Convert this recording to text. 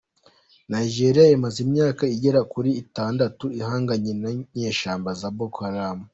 Nigeria imaze imyaka igera kuri itandatu ihanganye n’inyeshyamba za Boko Haram.